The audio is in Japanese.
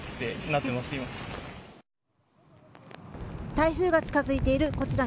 台風が近づいているこちら